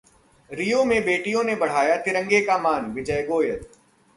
रियो में बेटियों ने बढ़ाया तिरंगे का मानः विजय गोयल